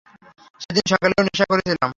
সেদিন সকালেও নেশা করেছিলাম।